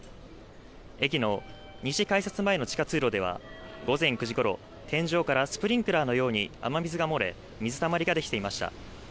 駅の西改札前の地下通路では午前９時ごろ、天井からスプリンクラーのように雨水が漏れ、水たまりができていました。